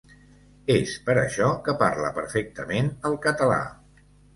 És per això que parla perfectament el català.